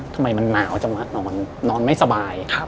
ทำไมมันหนาวจังนอนไม่สบาย